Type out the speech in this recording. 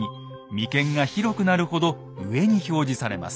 眉間が広くなるほど上に表示されます。